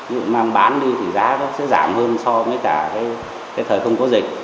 như mang bán đi thì giá nó sẽ giảm hơn so với cả cái thời không có dịch